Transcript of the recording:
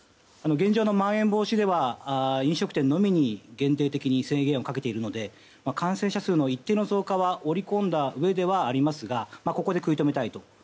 現状の、まん延防止では飲食店のみに限定的に制限をかけているので感染者数の一定の増加は織り込んだうえではありますがここで食い止めたいと。